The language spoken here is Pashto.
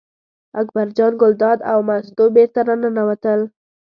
اکبر جان ګلداد او مستو بېرته راننوتل.